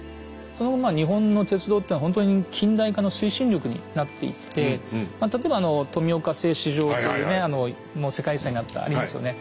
その後日本の鉄道っていうのはほんとに近代化の推進力になっていって例えば富岡製糸場というねもう世界遺産になったありますよね。